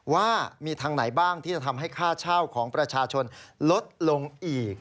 ว่ามีทางไหนบ้างที่จะทำให้ค่าเช่าของประชาชนลดลงอีก